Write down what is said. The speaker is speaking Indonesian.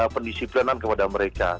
pendisiplinan kepada mereka